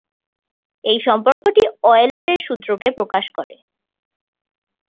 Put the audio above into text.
এই সম্পর্কটি অয়লারের সূত্রকে প্রকাশ করে।